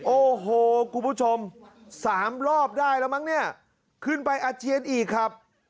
โอ้โหคุณผู้ชมสามรอบได้แล้วมั้งเนี่ยขึ้นไปอาเจียนอีกครับ